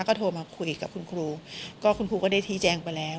ก็โทรมาคุยกับคุณครูก็คุณครูก็ได้ชี้แจงไปแล้ว